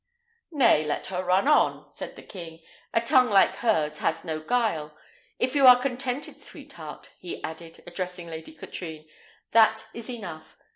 "Nay, let her run on," said the king; "a tongue like hers has no guile. If you are contented, sweetheart," he added, addressing Lady Katrine, "that is enough."